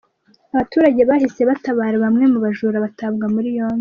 Abaturage bahise batabara bamwe mu bajura batabwa muri yombi.